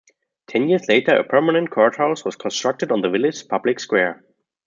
Ten years later, a permanent courthouse was constructed on the village's public square.